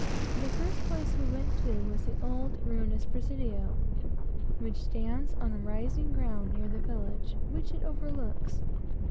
The first place we went to was the old ruinous presidio, which stands on a rising ground near the village, which it overlooks.